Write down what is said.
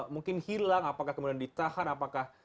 mungkin hilang apakah kemudian ditahan apakah